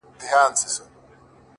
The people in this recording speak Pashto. د همدې شپې په سهار کي يې ويده کړم!